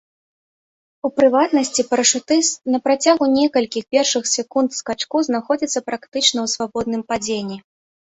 У прыватнасці, парашутыст на працягу некалькіх першых секунд скачку знаходзіцца практычна ў свабодным падзенні.